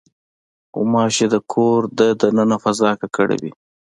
غوماشې د کور د دننه فضا ککړوي.